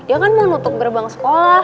dia kan mau nutup gerbang sekolah